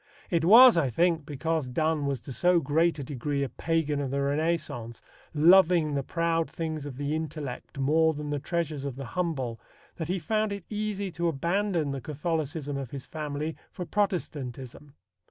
It was, I think, because Donne was to so great a degree a pagan of the Renaissance, loving the proud things of the intellect more than the treasures of the humble, that he found it easy to abandon the Catholicism of his family for Protestantism.